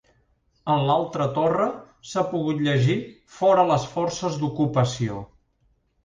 En l’altra torre s’ha pogut llegir “Fora les forces d’ocupació”.